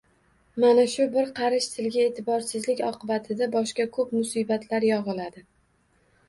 Mana shu bir qarich tilga e’tiborsizlik oqibatida boshga ko‘p musibatlar yog‘iladi.